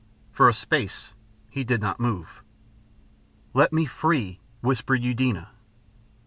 For a space he did not move. "Let me free," whispered Eudena....